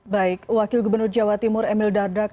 baik wakil gubernur jawa timur emil dardak